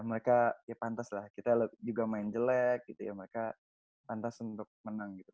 mereka ya pantas lah kita juga main jelek gitu ya mereka pantas untuk menang gitu